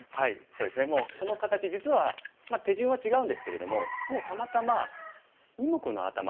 もうこの形実は手順は違うんですけれどももうたまたま二目のアタマ